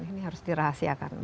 ini harus dirahasiakan